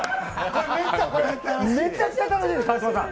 めちゃくちゃ楽しいです、川島さん！